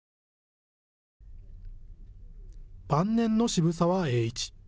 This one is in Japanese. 晩年の渋沢栄一。